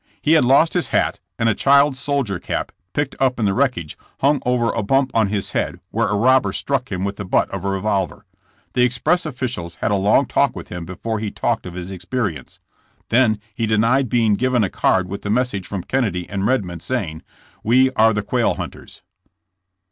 He had lost his hat, and a child's soldier cap, picked up in the wreckage, hung over a bump on his head where a robber struck him with the butt of a revolver. The express officials had a long talk with him before he talked of his experience. Then he denied being given a card with the message from Kennedy and Kedmond, saying: "We are the quail hunters."